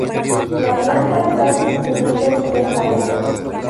La planta está distribuida en tres salas.